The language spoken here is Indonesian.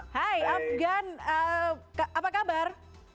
hai afghan apa kabar